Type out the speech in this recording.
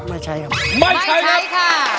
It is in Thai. ไม่ใช้ครับ